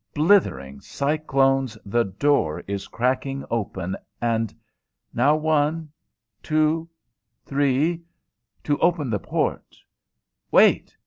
Blithering cyclones! the door is cracking open ... and now one two three to open the port ... wait.